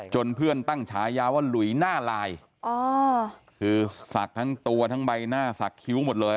เพื่อนตั้งฉายาว่าหลุยหน้าลายอ๋อคือศักดิ์ทั้งตัวทั้งใบหน้าสักคิ้วหมดเลย